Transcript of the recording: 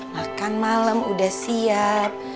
makan malem udah siap